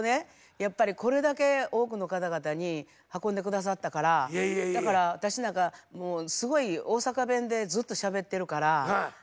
やっぱりこれだけ多くの方々に運んで下さったからだから私なんかもうすごい大阪弁でずっとしゃべってるから。